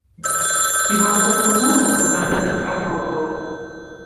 Ці варта прыслухацца да гэтых прагнозаў?